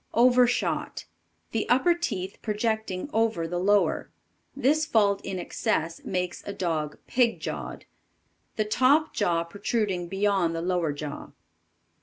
Overshot. The upper teeth projecting over the lower. This fault in excess makes a dog pig jawed. The top jaw protruding beyond the lower jaw.